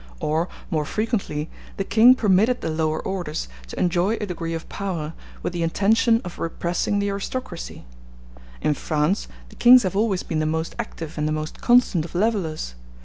Or, more frequently, the king permitted the lower orders to enjoy a degree of power, with the intention of repressing the aristocracy. In France the kings have always been the most active and the most constant of levellers.